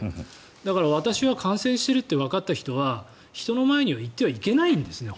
だから私は感染しているってわかった人は人の前には行ってはいけないんですね。